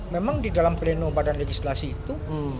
memang di dalam pleno badan legislasi itu